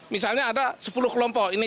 misalnya ada sepuluh kelompok ini